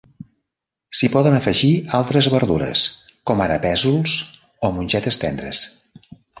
S'hi poden afegir altres verdures, com ara pèsols o mongetes tendres.